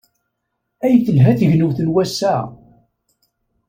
Ay telha tegnewt n wass-a!